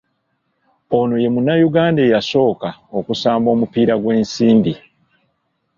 Ono ye Munnayuganda eyasooka okusamba omupiira gw’ensimbi.